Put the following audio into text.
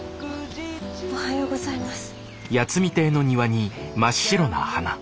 おはようございます。